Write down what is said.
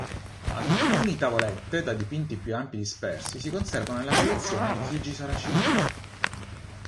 Alcuni tavolette, da dipinti più ampi dispersi, si conservano nella collezione Chigi Saracini.